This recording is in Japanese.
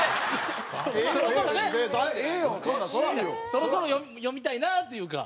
そろそろ読みたいなというか。